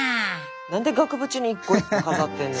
何で額縁に一個一個飾ってんねん。